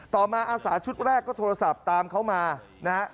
มาอาสาชุดแรกก็โทรศัพท์ตามเขามานะฮะ